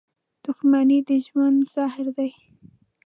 • دښمني د ژوند زهر دي.